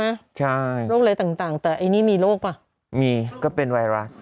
ใช่โรคอะไรต่างแต่ไอ้นี่มีโรคป่ะมีก็เป็นไวรัส